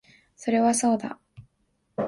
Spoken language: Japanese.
それはそうだ